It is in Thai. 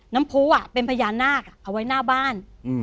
ผู้เป็นพญานาคเอาไว้หน้าบ้าน